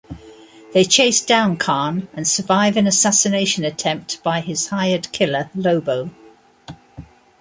They chase down Khan and survive an assassination attempt by his hired killer Lobo.